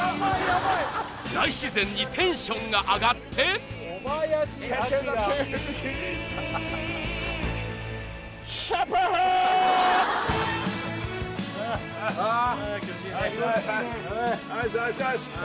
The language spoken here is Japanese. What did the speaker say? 大自然にテンションが上がってあっあ